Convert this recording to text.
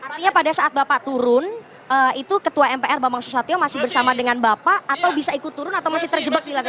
artinya pada saat bapak turun itu ketua mpr bambang susatyo masih bersama dengan bapak atau bisa ikut turun atau masih terjebak di lapangan